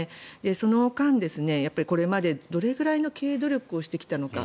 その間、これまでどれぐらいの経営努力をしてきたのか。